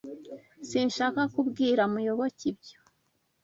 Sinshaka kubwira Muyoboke ibyo.